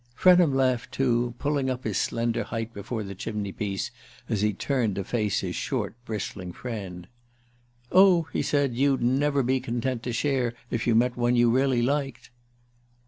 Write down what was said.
Frenham laughed too, pulling up his slender height before the chimney piece as he turned to face his short bristling friend. "Oh," he said, "you'd never be content to share if you met one you really liked."